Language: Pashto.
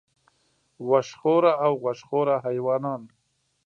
وښ خوره او غوښ خوره حیوانان